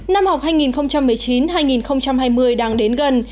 năm học hai nghìn một mươi chín hai nghìn hai mươi đang đến gần